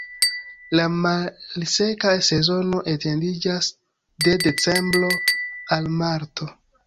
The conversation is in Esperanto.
La malseka sezono etendiĝas de decembro al marto.